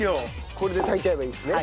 これで炊いちゃえばいいんですね。